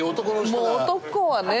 もう男はね